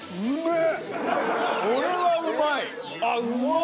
これはうまい！